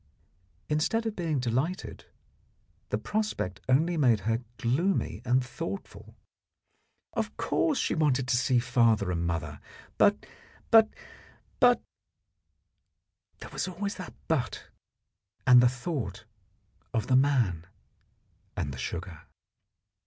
Instead of being delighted, the prospect only made her gloomy and thoughtful. Of course she wanted to see father and mother, but but but There was always that 'but' and the thought of the man and the sugar.